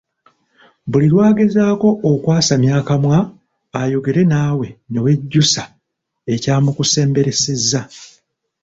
Buli lwagezaako okwasamya akamwa ayogere naawe newejjusa ekyamukusemberesezza.